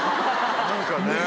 何かね。